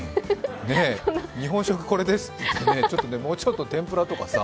日本食これですっていってね、もうちょっと、天ぷらとかさ。